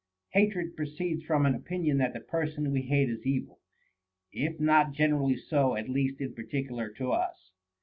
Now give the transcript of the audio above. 2. Hatred proceeds from an opinion that the person we hate is evil, if not generally so, at least in particular to us.